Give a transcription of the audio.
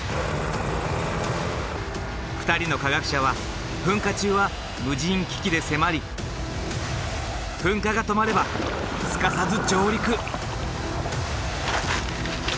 ２人の科学者は噴火中は無人機器で迫り噴火が止まればすかさず上陸。